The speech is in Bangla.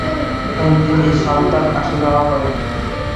এভাবে তিনি সাতবার আসা-যাওয়া করেন।